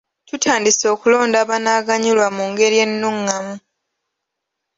Tutandise okulonda abanaaganyulwa mu ngeri ennungamu.